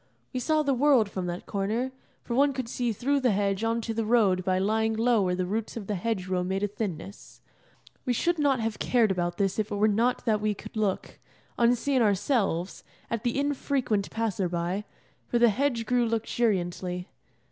We saw the world from that corner, for one could see through the hedge on to the road by lying low where the roots of the hedge row made a thinness. We should not have cared about this if it were not that we could look, unseen ourselves, at the infrequent passer by, for the hedge grew luxuriantly.